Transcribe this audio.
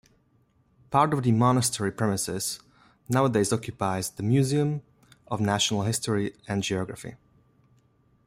Part of the monastery premises nowadays occupies the Museum of National History and Geography.